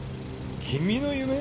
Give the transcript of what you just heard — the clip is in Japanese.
君の夢？